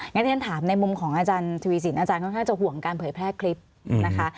ที่ฉันถามในมุมของอาจารย์ทวีสินอาจารย์ค่อนข้างจะห่วงการเผยแพร่คลิปนะคะ